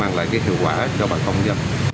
mang lại hiệu quả cho bà công dân